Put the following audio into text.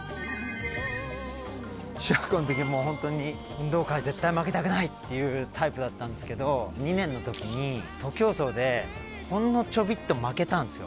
小学校のときもホントに運動会絶対負けたくないっていうタイプだったんですけど２年のときに徒競走でほんのちょびっと負けたんですよ。